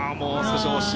もう少し。